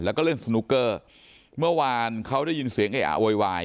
แล้วก็เล่นสนุกเกอร์เมื่อวานเขาได้ยินเสียงเออะโวยวาย